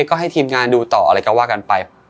ก็ให้ทีมงานดูต่ออะไรก็ว่ากันไป